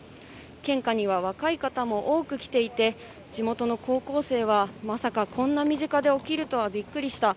献花には若い方も多く来ていて、地元の高校生はまさかこんな身近で起きるとはびっくりした。